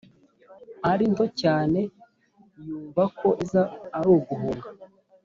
arinto cyane yumva ko icyiza aruguhunga